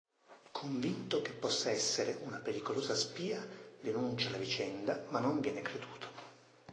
Convinto che possa essere una pericolosa spia, denuncia la vicenda, ma non viene creduto.